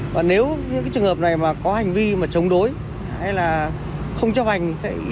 và nếu những trường hợp này mà có hành vi mà chống đối hay là không cho hành